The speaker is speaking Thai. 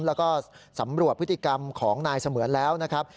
แล้วก็สำรวจพฤติกรรมของนายเสมือนแล้วนะครับ